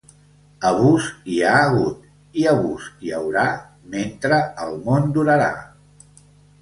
Abús hi ha hagut i abús hi haurà, mentre el món durarà.